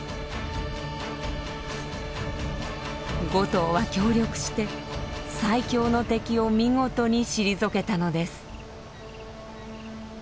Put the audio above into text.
５頭は協力して最強の敵を見事に退けたのです。